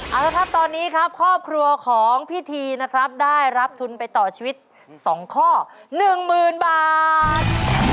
เอาละครับตอนนี้ครับครอบครัวของพี่ทีนะครับได้รับทุนไปต่อชีวิต๒ข้อ๑๐๐๐บาท